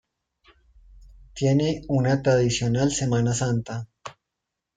Tiene una tradicional Semana Santa.